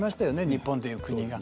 日本という国が。